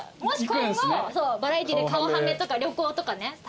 もし今後バラエティーで顔ハメとか旅行とかね